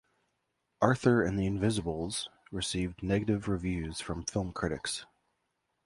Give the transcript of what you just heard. "Arthur and the Invisibles" received negative reviews from film critics.